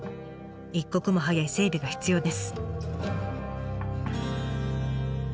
一刻も早い整備が必要です。